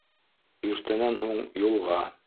Иртәнән һуңға юлға!